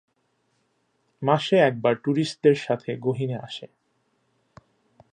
মাসে একবার ট্যুরিস্টদের সাথে গহীনে আসে।